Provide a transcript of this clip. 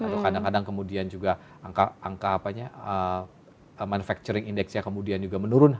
atau kadang kadang kemudian juga angka manufacturing index nya kemudian juga menurun